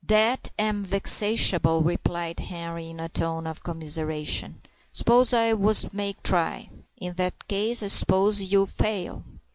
"Dat am vexatiable," replied Henri, in a tone of commiseration. "S'pose I wos make try?" "In that case I s'pose ye would fail.